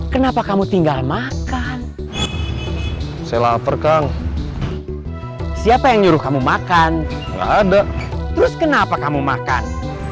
kenapa kamu tinggal makan saya laporkan siapa yang nyuruh kamu makan terus kenapa kamu makan